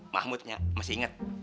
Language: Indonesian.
mahmudnya masih inget